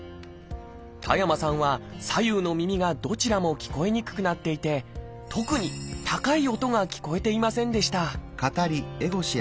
田山さんは左右の耳がどちらも聞こえにくくなっていて特に高い音が聞こえていませんでした